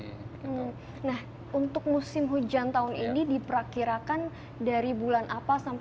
nah untuk musim hujan tahun ini diperkirakan dari bulan apa sampai bulan apa